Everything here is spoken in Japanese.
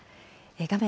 画面